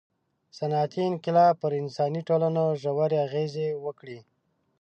• صنعتي انقلاب پر انساني ټولنو ژورې اغېزې وکړې.